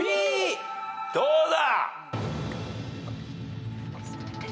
どうだ？